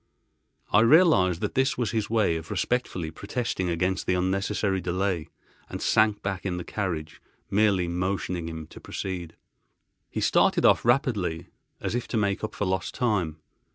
I realised that this was his way of respectfully protesting against the unnecessary delay, and sank back in the carriage, merely motioning him to proceed. He started off rapidly, as if to make up for lost time.